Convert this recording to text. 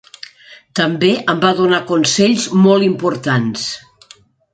També em va donar consells molt importants.